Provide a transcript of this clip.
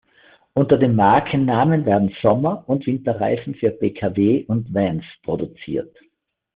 Unter dem Markennamen werden Sommer- und Winterreifen für Pkw und Vans produziert.